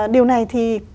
điều này thì